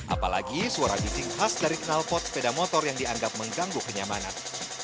apalagi suara bising khas dari kenal pot sepeda motor yang dianggap mengganggu kenyamanan